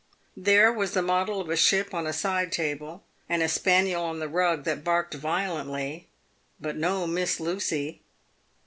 There was the model of a ship on a side table, and a spaniel on the rug that barked violently, but no Miss Lucy.